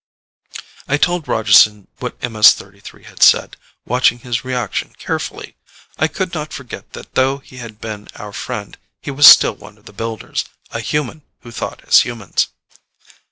I told Rogeson what MS 33 had said, watching his reaction carefully. I could not forget that though he had been our friend, he was still one of the Builders, a human who thought as humans.